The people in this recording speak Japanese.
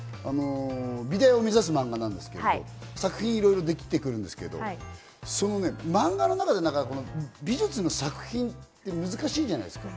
美大を目指すマンガなんですけど、作品いろいろ出てくるんですけど、マンガの中で美術の作品って難しいじゃないですか。